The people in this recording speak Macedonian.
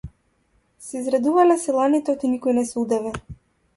Се израдувале селаните оти никој не се удавил.